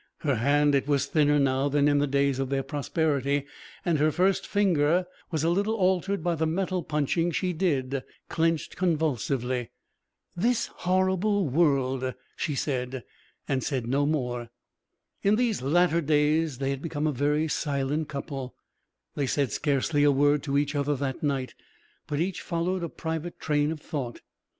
Her hand it was thinner now than in the days of their prosperity, and her first finger was a little altered by the metal punching she did clenched convulsively. "This horrible world!" she said, and said no more. In these latter days they had become a very silent couple; they said scarcely a word to each other that night, but each followed a private train of thought.